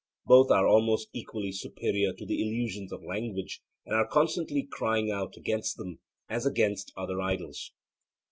Both are almost equally superior to the illusions of language, and are constantly crying out against them, as against other idols.